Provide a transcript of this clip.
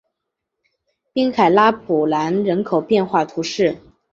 滨海拉普兰人口变化图示